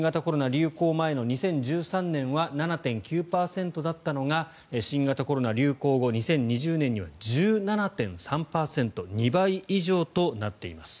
流行前の２０１３年は７．９％だったのが新型コロナ流行後２０２０年には１７．３％２倍以上となっています。